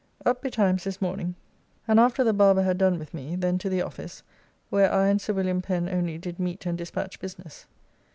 Up betimes this morning, and after the barber had done with me, then to the office, where I and Sir William Pen only did meet and despatch business.